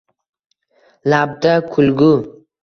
Labda kulgu